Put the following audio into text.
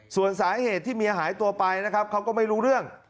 ส่วนสาเหตุที่เมียหายตัวไปนะครับเขาก็ไม่รู้เรื่อง